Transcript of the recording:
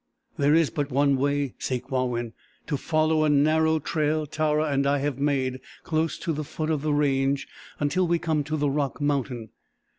"There is but one way, Sakewawin to follow a narrow trail Tara and I have made, close to the foot of the range, until we come to the rock mountain.